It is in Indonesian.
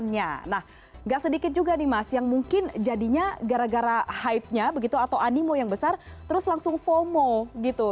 nah gak sedikit juga nih mas yang mungkin jadinya gara gara hype nya begitu atau animo yang besar terus langsung fomo gitu